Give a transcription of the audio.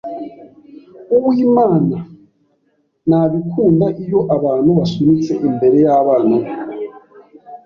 Uwimana ntabikunda iyo abantu basunitse imbere yabana be.